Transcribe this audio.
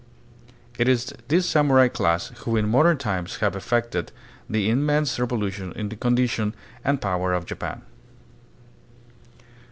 It is this samurai class who in modern tunes have effected the immense revolution in the condition and power of Japan.